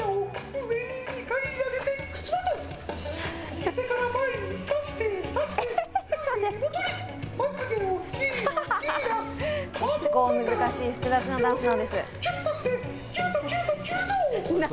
結構難しい、複雑なダンスなんです。